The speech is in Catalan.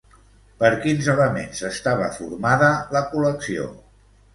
Per quins elements estava formada la col·lecció?